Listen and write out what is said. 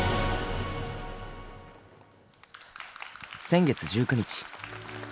先月１９日。